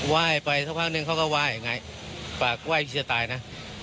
ไหว้ไปสักพักหนึ่งเขาก็ไหว้อย่างไรปากไหว้พิสิทธิ์ตายนะ